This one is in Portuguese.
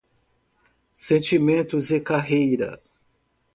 Sentimentos e carreira